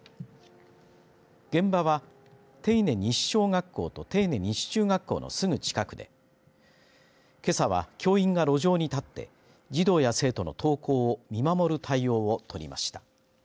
現場は手稲西小学校と手稲西中学校のすぐ近くでけさは教員が路上に立って児童や生徒の登校を見守る対応を取りました。